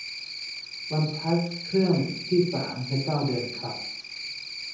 วันพลัสเครื่องที่สามในเก้าเดือนครับ